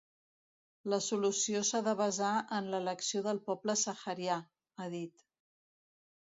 “La solució s’ha de basar en l’elecció del poble saharià”, ha dit.